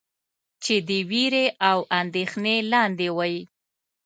چې د وېرې او اندېښنې لاندې وئ.